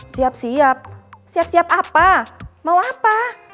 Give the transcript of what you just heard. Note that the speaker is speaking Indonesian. siap siap siap siap apa mau apa